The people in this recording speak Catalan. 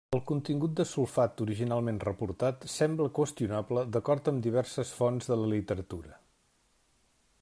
El contingut de sulfat originalment reportat sembla qüestionable d'acord amb diverses fonts de la literatura.